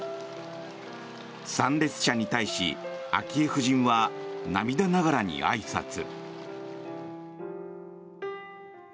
参列者に対し、昭恵夫人は涙ながらにあいさつ。